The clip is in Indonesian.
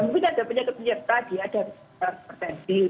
yang mungkin ada penyakit penyerta dia ada berpertensi